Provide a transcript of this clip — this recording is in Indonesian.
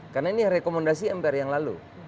karena ini rekomendasi mpr yang lalu